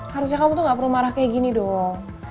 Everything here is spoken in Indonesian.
harusnya kamu tuh gak perlu marah kayak gini dong